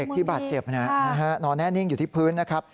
ที่บาดเจ็บนอนแน่นิ่งอยู่ที่พื้นนะครับ